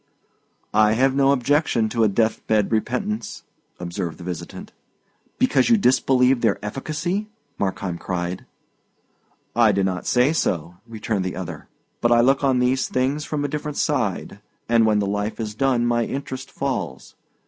"I have no objection to a death bed repentance," observed the visitant. "Because you disbelieve their efficacy!" Markheim cried. "I do not say so," returned the other; "but I look on these things from a different side, and when the life is done my interest falls.